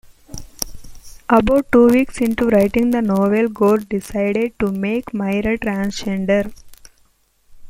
About two weeks into writing the novel Gore decided to make Myra transgender.